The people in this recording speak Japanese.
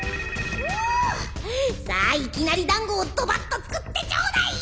さあいきなりだんごをどばっと作ってちょうだい！